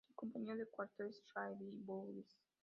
Su compañero de cuarto es Randy Boggs.